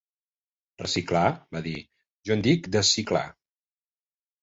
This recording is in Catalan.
"Reciclar, va dir, jo en dic desciclar